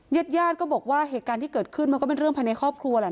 ญาติญาติก็บอกว่าเหตุการณ์ที่เกิดขึ้นมันก็เป็นเรื่องภายในครอบครัวแหละ